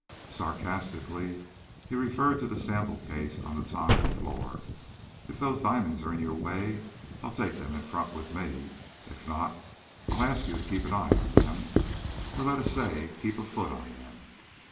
Sarcastically he referred to the sample case on the tonneau floor. "If those diamonds are in your way, I'll take them in front with me. If not, I'll ask you to keep an eye on them or, let us say, keep a foot on them.